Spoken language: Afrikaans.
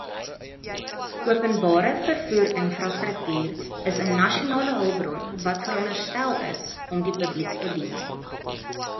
Openbare vervoerinfrastruktuur is 'n nasionale hulpbron wat veronderstel is om die publiek te dien.